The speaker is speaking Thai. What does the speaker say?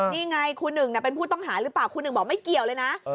นี่ไงครูหนึ่งเป็นผู้ต้องหาหรือเปล่าครูหนึ่งบอกไม่เกี่ยวเลยนะ